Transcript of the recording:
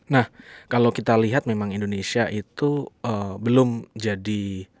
nah kalau kita lihat memang indonesia itu belum jadi